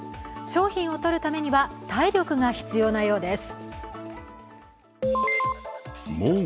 商品を取るためには、体力が必要なようです。